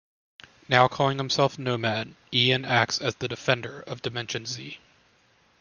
Now calling himself Nomad, Ian acts as the defender of Dimension Z.